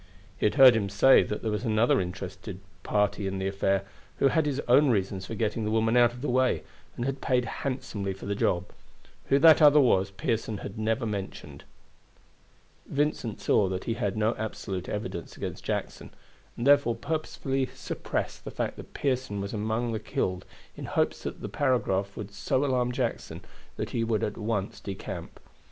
He had heard him say that there was another interested in the affair, who had his own reasons for getting the woman out of the way, and had paid handsomely for the job. Who that other was Pearson had never mentioned. Vincent saw that he had no absolute evidence against Jackson, and therefore purposely suppressed the fact that Pearson was among the killed in hopes that the paragraph would so alarm Jackson that he would at once decamp.